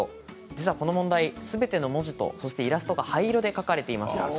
実はこの問題すべての問題と文字が灰色で書かれていました。